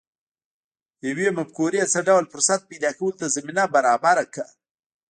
يوې مفکورې څه ډول فرصت پيدا کولو ته زمينه برابره کړه؟